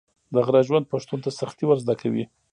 د غره ژوند پښتون ته سختي ور زده کوي.